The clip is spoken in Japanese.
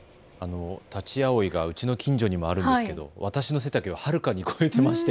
タチアオイが家の近所にもあるんですが私の背丈をはるかに超えています。